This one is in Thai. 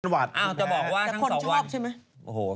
๑๐๐๐วัตต์สุดแพทย์